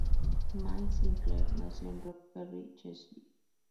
May Sinclair nació en Rock Ferry, Cheshire.